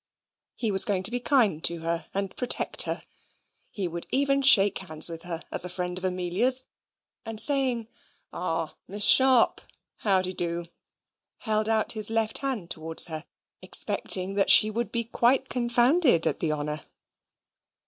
He was going to be kind to her and protect her. He would even shake hands with her, as a friend of Amelia's; and saying, "Ah, Miss Sharp! how dy doo?" held out his left hand towards her, expecting that she would be quite confounded at the honour.